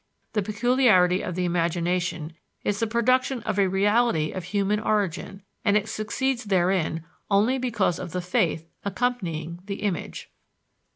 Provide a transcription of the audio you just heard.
The peculiarity of the imagination is the production of a reality of human origin, and it succeeds therein only because of the faith accompanying the image.